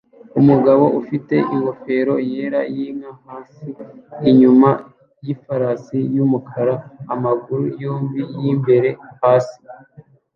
Umugabo ufite ingofero yera yinka hasi inyuma yifarasi yumukara amaguru yombi yimbere hasi